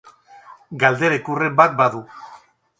Galdera ikurren bat badu.